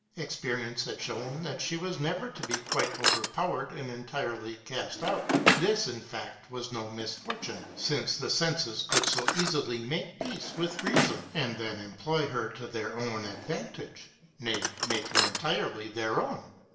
Experience had shown that she was never to be quite overpowered and entirely cast out. This, in fact, was no misfortune, since the senses could so easily make peace with Reason and then employ her to their own ad vantage, nay, make her entirely their own.